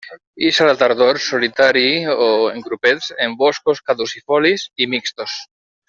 Ix a la tardor, solitari o en grupets, en boscos caducifolis i mixtos.